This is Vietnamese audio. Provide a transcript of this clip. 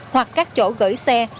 hoặc các chỗ gửi xe